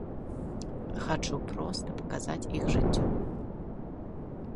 Хачу проста паказваць іх жыццё.